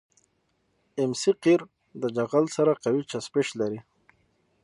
ام سي قیر د جغل سره قوي چسپش لري